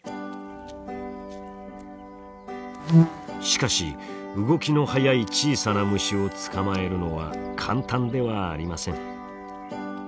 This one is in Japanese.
しかし動きの速い小さな虫を捕まえるのは簡単ではありません。